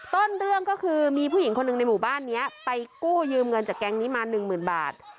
ต้นเรื่องก็คือมีผู้หญิงคนหนึ่งในหมู่บ้านนี้ไปกู้ยืมเงินจากแก๊งนี้มาหนึ่งหมื่นบาท